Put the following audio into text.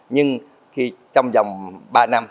nhưng trong vòng ba năm